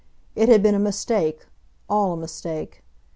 It had been a mistake—all a mistake.